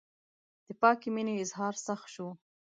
د پاکې مینې اظهار سخت شو.